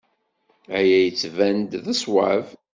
Aya yettban-d d ṣṣwab.